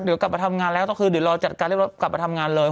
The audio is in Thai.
เดี๋ยวกลับมาทำงานแล้วก็คือเดี๋ยวรอจัดการเรียบร้อยกลับมาทำงานเลย